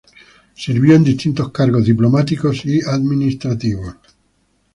Sirvió en distintos cargos diplomáticos y administrativos.